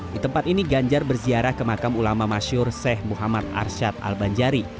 di tempat ini ganjar berziarah ke makam ulama masyur seh muhammad arsyad al banjari